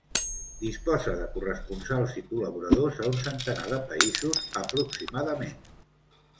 Disposa de corresponsals i col·laboradors a un centenar de països aproximadament.